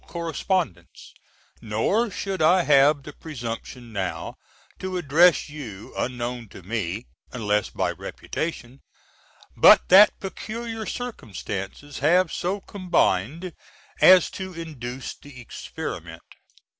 correspondents, nor should I have the presumption now to address you, unknown to me (unless by reputation), but that peculiar circumstances have so combined as to induce the experiment.